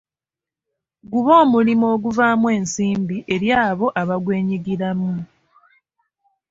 Gube omulimu oguvaamu ensimbi eri abo abagwenyigiramu.